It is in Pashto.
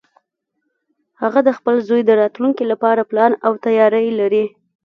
هغه د خپل زوی د راتلونکې لپاره پلان او تیاری لري